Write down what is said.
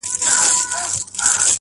څنګ کې درېږې